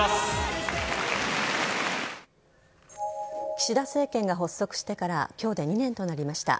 岸田政権が発足してから今日で２年となりました。